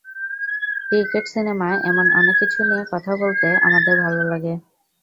Cricket, cinema এমন অনেক কিছু নিয়ে কথা বলতে আমাদের ভালো লাগে।